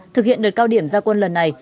thực hiện đợt cao điểm giao quân lần này